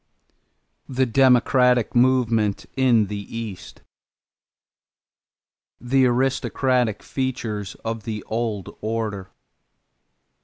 THE DEMOCRATIC MOVEMENT IN THE EAST =The Aristocratic Features of the Old Order.